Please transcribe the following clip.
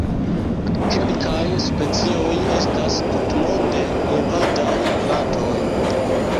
Kelkaj specioj estas tutmonde invadaj plantoj.